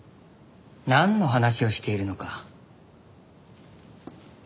なんの話をしているのか。